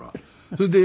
それで。